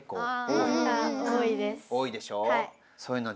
多いでしょう。